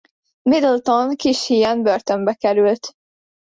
Middleton kis híján börtönbe került.